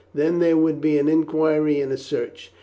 Then there would be an inquiry and a search.